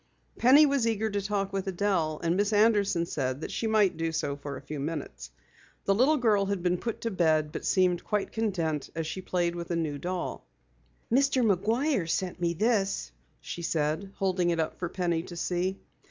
Penny was eager to talk with Adelle, and Miss Anderson said that she might do so for a few minutes. The little girl had been put to bed but seemed quite content as she played with a new doll. "Mr. McGuire sent me this," she said, holding it up for Penny to see.